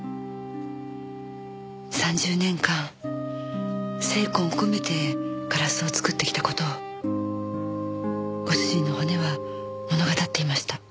３０年間精魂込めてガラスを作ってきた事をご主人の骨は物語っていました。